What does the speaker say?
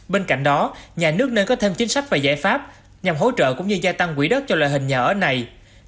bên cạnh đó nhà nước nên có thêm chính sách và giải pháp nhằm hỗ trợ cũng như gia tăng quỹ đất cho loại hình nhà ở này